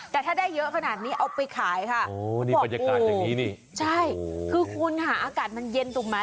แต่ถ้าได้เยอะขนาดนี้เอาไปขายค่ะประยะการแบบนี้คือคุณหาอากาศมันเย็นตุ๊กมั้ย